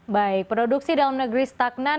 baik produksi dalam negeri stagnan